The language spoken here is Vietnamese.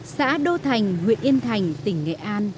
xã đô thành huyện yên thành tỉnh nghệ an